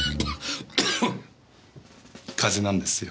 風邪なんですよ。